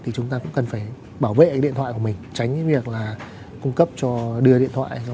thì chúng ta cũng cần phải bảo vệ điện thoại của mình tránh cái việc là cung cấp cho đưa điện thoại